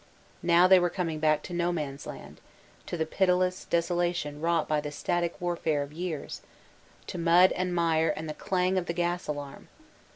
Now they were coming back to No Man s Land, to the pitiless desolation wrought by the static warfare of years, to mud and wire and the clang of the gas alarm.